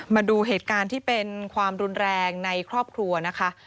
มาดูเหตุการณ์ที่เป็นความรุนแรงในครอบครัวนะคะ